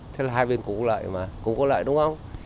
thế là hai bên cũng có lợi mà cũng có lợi đúng không